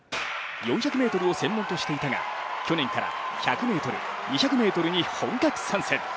４００ｍを専門としていたが去年から１００ｍ、２００ｍに本格参戦。